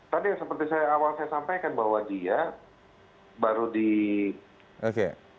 tadi seperti saya awal saya sampaikan bahwa dia baru diundang secara resminya kemarin gitu